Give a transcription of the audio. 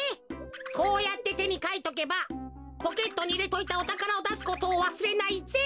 こうやっててにかいとけばポケットにいれといたおたからをだすことをわすれないぜ！